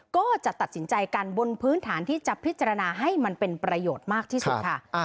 ก็จะตัดสินใจกันบนพื้นฐานที่จะพิจารณาให้มันเป็นประโยชน์มากที่สุดค่ะ